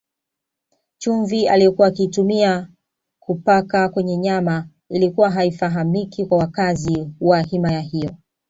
Chumvi aliyokuwa akiitumia kupaka kwenye nyama ilikuwa haifahamiki kwa wakazi wa himaya hiyo